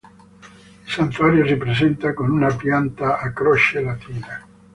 Il santuario si presenta con una pianta a croce latina.